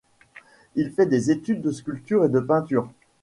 Il fait des études de sculpture et de peinture.